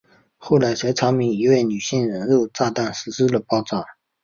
后来才查明是一位女性人肉炸弹实施了爆炸。